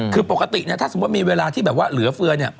คือปกติเนี่ยถ้าสมมุติมีเวลาที่แบบว่าเหลือเฟือเนี่ย